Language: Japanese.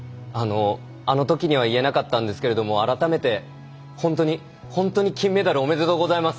あのときには言えなかったんですけれども改めて本当に本当に金メダルおめでとうございます！